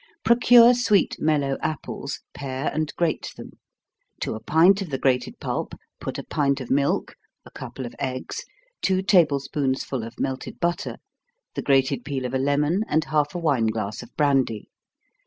_ Procure sweet mellow apples, pare and grate them. To a pint of the grated pulp put a pint of milk, a couple of eggs, two table spoonsful of melted butter, the grated peel of a lemon, and half a wine glass of brandy.